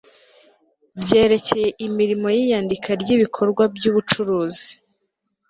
byerekeye imirimo y iyandika ry ibikorwa by ubucuruzi